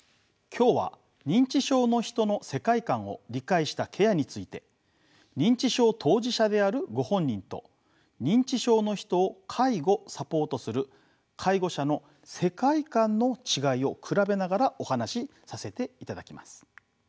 今日は認知症の人の世界観を理解したケアについて認知症当事者であるご本人と認知症の人を介護サポートする介護者の世界観の違いを比べながらお話しさせていただきます。